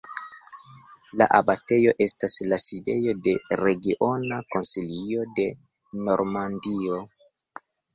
La abatejo estas la sidejo de Regiona Konsilio de Normandio.